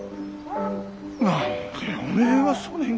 何でおめえはそねん。